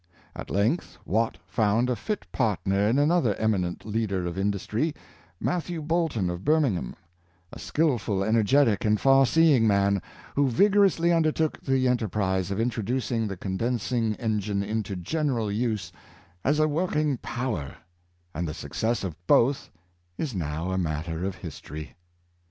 At length Watt found a fit partner in another eminent leader of industry — Matthew Boulton, of Birmingham, a skillful, energetic and far seeing man, who vigor ously undertook the enterprise of introducing the con densing engine into general use as a working power; and the success of both is now matter of history.